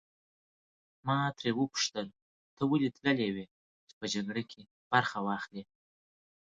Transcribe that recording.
ما ترې وپوښتل ته ولې تللی وې چې په جګړه کې برخه واخلې.